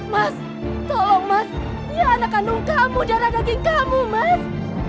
mas tolong mas dia anak kandung kamu darah daging kamu mas